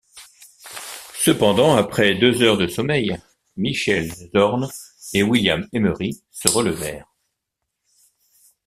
Cependant, après deux heures de sommeil, Michel Zorn et William Emery se relevèrent.